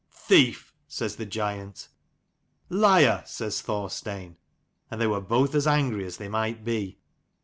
"Thief!" says the giant. " Liar !" says Thorstein : and they were both as angry as they might be.